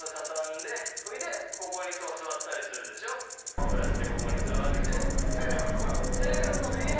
こうやってここに座ってほら。